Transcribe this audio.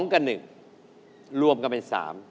กับ๑รวมกันเป็น๓